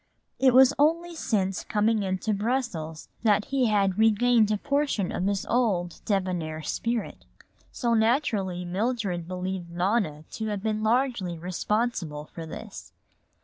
It was only since coming into Brussels that he had regained a portion of his old debonair spirit. So naturally Mildred believed Nona to have been largely responsible for this.